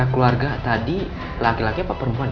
ya keluarga tadi laki laki apa perempuan ya